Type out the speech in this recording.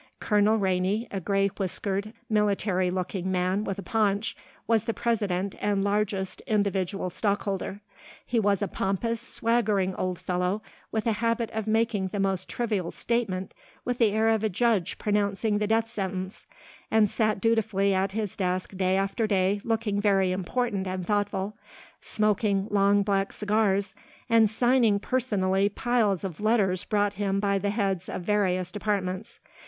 Colonel Rainey, a grey whiskered military looking man with a paunch, was the president and largest individual stockholder. He was a pompous, swaggering old fellow with a habit of making the most trivial statement with the air of a judge pronouncing the death sentence, and sat dutifully at his desk day after day looking very important and thoughtful, smoking long black cigars and signing personally piles of letters brought him by the heads of various departments.